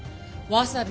わさび！？